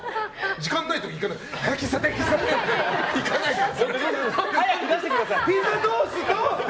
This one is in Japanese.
時間ない時、行かないです。